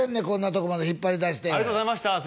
こんなとこまで引っ張り出してありがとうございました